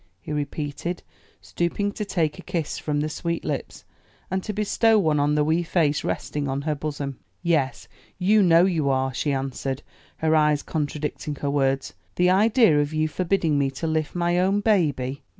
he repeated, stooping to take a kiss from the sweet lips, and to bestow one on the wee face resting on her bosom. "Yes, you know you are," she answered, her eyes contradicting her words; "the idea of you forbidding me to lift my own baby!"